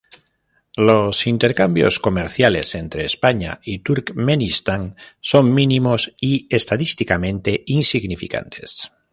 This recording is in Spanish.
Los intercambios comerciales entre España y Turkmenistán son mínimos y estadísticamente insignificantes.